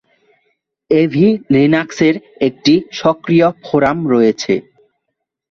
AV লিনাক্সের একটি সক্রিয় ফোরাম রয়েছে।